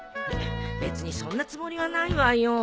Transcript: べ別にそんなつもりはないわよ。